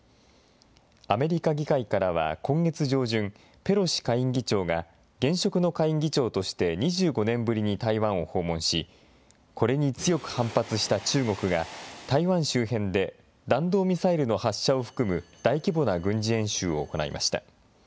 アメリカ議会からは、今月上旬、ペロシ下院議長が現職の下院議長として２５年ぶりに台湾を訪問し、これに強く反発した中国が、台湾周辺で弾道ミサイルの発射を含む大規模な軍事演習を行いました。